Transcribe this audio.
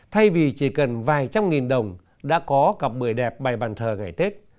thay vì chỉ cần vài trăm nghìn đồng đã có cặp bưởi đẹp bài bàn thờ ngày tết